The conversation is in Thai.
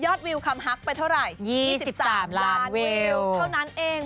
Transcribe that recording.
วิวคำฮักไปเท่าไหร่๒๓ล้านวิวเท่านั้นเอง